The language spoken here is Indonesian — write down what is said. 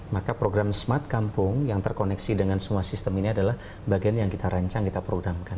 maka program smart kampung yang terkoneksi dengan semua sistem ini adalah bagian yang kita rancang kita programkan